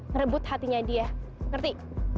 ngerebut hatinya dia ngerti